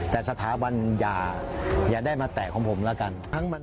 แต่สถาบันอย่าได้มาแตะของผมแล้วกัน